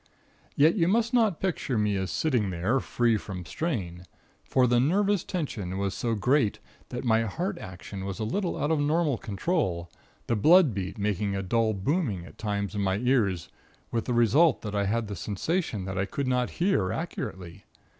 "Yet, you must not picture me as sitting there, free from strain; for the nerve tension was so great that my heart action was a little out of normal control, the blood beat making a dull booming at times in my ears, with the result that I had the sensation that I could not hear acutely.